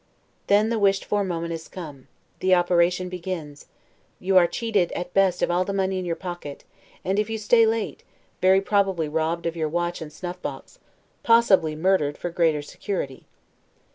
Then the wished for moment is come, the operation begins: you are cheated, at best, of all the money in your pocket, and if you stay late, very probably robbed of your watch and snuff box, possibly murdered for greater security.